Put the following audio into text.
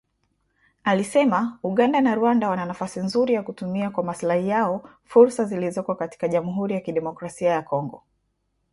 alisema Uganda na Rwanda wana nafasi nzuri ya kutumia kwa maslahi yao fursa zilizoko Jamuhuri ya Demokrasia ya Kongo